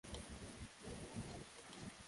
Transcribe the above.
Siwezi kuwa nikiandika kila kitu unachosema